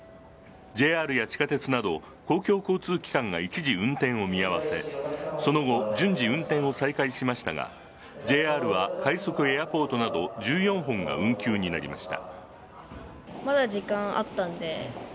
ＪＲや地下鉄など公共交通機関が一時運転を見合わせその後順次、運転を再開しましたがＪＲは快速エアポートなど１４本が運休になりました。